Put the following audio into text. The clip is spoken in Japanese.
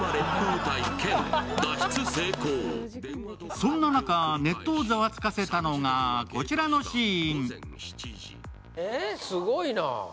そんな中、ネットをざわつかせたのが、こちらのシーン。